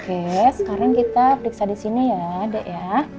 oke sekarang kita periksa di sini ya dek ya